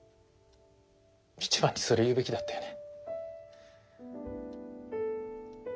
一番にそれ言うべきだったよね。